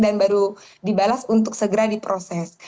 dan baru dibalas untuk segera diproses